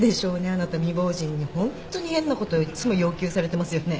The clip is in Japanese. あなた未亡人にホントに変なこといつも要求されてますよね。